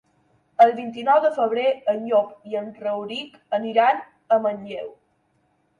El vint-i-nou de febrer en Llop i en Rauric aniran a Manlleu.